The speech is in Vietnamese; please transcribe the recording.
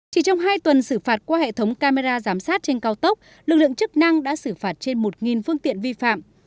chỉ trong hai tuần xử phạt qua hệ thống camera giám sát trên cao tốc lực lượng chức năng đã xử phạt trên một phương tiện vi phạm